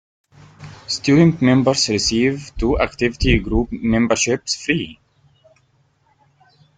Student members receive two activity group memberships free.